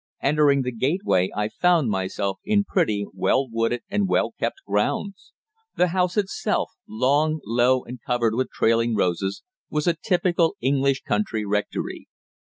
Entering the gateway, I found myself in pretty, well wooded and well kept grounds; the house itself, long, low, and covered with trailing roses, was a typical English country rectory.